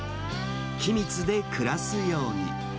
君津で暮らすように。